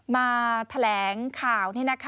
มาแถลงข่าว